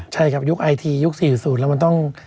ใช่ครับยุคไอทียุค๔๐แล้วมันต้อง